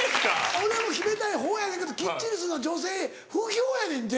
俺も決めたい方やねんけどきっちりするのは女性不評やねんて。